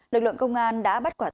lực lượng công an đã bắt quả tàu